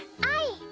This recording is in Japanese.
あい。